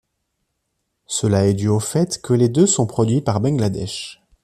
Cela est dû au fait que les deux sont produits par Bangladesh.